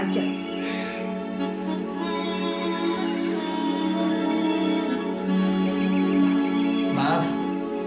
anda menganggap saya sebagai seorang tabib